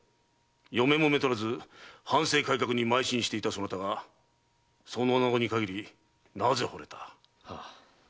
嫁もめとらず藩政改革に邁進していたそなたがそのおなごに限りなぜ惚れた？